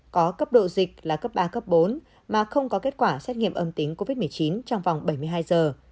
có cấp độ dịch là cấp ba cấp bốn mà không có kết quả xét nghiệm âm tính covid một mươi chín trong vòng bảy mươi hai giờ